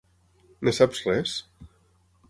En saps res?